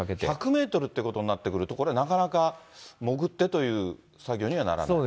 １００メートルということになってくると、これ、なかなか潜ってという作業にはならない？